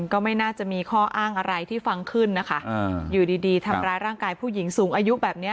ก็ไม่น่าจะมีข้ออ้างอะไรที่ฟังขึ้นนะคะอยู่ดีดีทำร้ายร่างกายผู้หญิงสูงอายุแบบเนี้ย